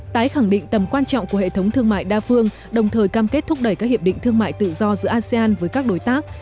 tái khẳng định tầm quan trọng của hệ thống thương mại đa phương đồng thời cam kết thúc đẩy các hiệp định thương mại tự do giữa asean với các đối tác